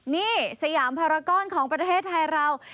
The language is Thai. นี่สยามภารกรของประเทศไทยเรา